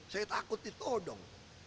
saya takut ditodong